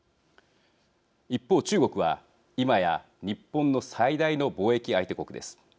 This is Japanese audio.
一方、中国は今や日本の最大の貿易相手国です。